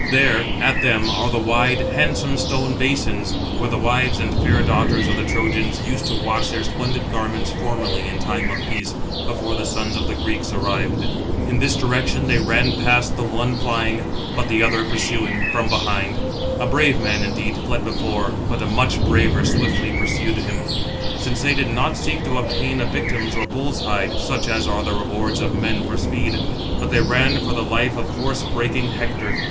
There, at them, are the wide, handsome stone basins, where the wives and fair daughters of the Trojans used to wash their splendid garments formerly in time of peace, before the sons of the Greeks arrived. In this direction they ran past [the one] flying, but the other pursuing from behind. A brave man, indeed, fled before, but a much braver swiftly pursued him; since they did not seek to obtain a victim or a bull's hide, such as are the rewards of men for speed, but they ran for the life of horse breaking Hector.